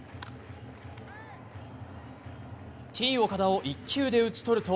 Ｔ‐岡田を１球で打ち取ると。